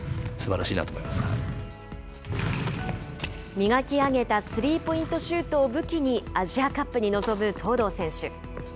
磨き上げたスリーポイントシュートを武器に、アジアカップに臨む東藤選手。